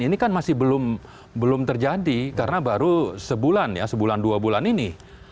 ini kan masih belum terjadi karena baru sebulan ya sebulan dua bulan ini